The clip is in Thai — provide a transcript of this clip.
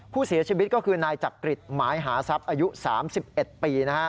ผู้เสียชีวิตก็คือนายจักริตหมายหาทรัพย์อายุ๓๑ปี